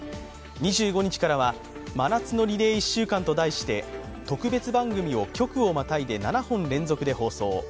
２５日からは「真夏のリレー１週間」と題して特別番組を、局をまたいで７本連続で放送。